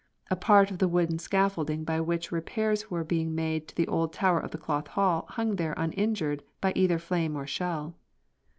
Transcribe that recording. A part of the wooden scaffolding by which repairs were being made to the old tower of the Cloth Hall hung there uninjured by either flame or shell.